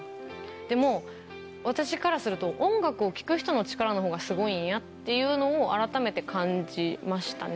でも私からすると、音楽を聴く人の力のほうがすごいんやっていうのを、改めて感じましたね。